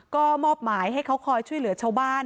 ก็มอบหมายให้เขาคอยช่วยเหลือชาวบ้าน